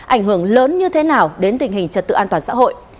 ảnh hưởng lớn như thế nào đến tình hình trật tự an toàn xã hội